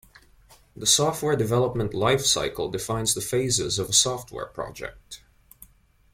The software development life cycle defines the phases of a software project.